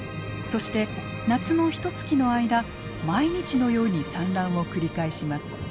そして夏のひとつきの間毎日のように産卵を繰り返します。